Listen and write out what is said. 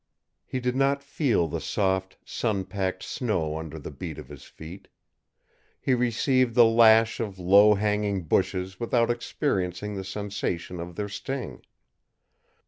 He did not feel the soft, sun packed snow under the beat of his feet. He received the lash of low hanging bushes without experiencing the sensation of their sting.